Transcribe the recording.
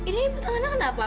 ria ibu tangannya kenapa